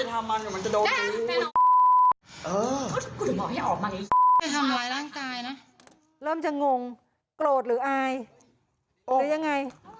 หรืออายหรือยังไง